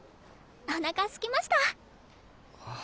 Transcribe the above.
おなかすきました！